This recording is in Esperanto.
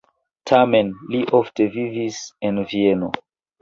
Tamen li ofte vivis en Vieno.